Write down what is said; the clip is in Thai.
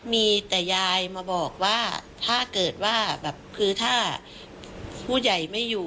มีแต่ยายมาบอกว่าถ้าเกิดว่าแบบคือถ้าผู้ใหญ่ไม่อยู่